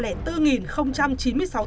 để rút tiền của scb